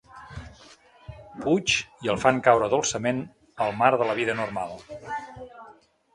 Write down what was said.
Puig i el fan caure dolçament al mar de la vida normal.